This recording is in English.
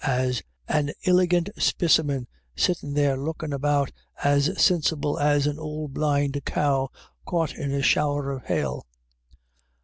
121 as w An iligant spicimin, sittin' there lookin* about as sinsible as an ould blind cow caught in a shower o' hail."